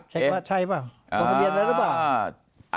เช็กข้อใช่เปล่าต่อทะเบียนแล้วหรือเปล่า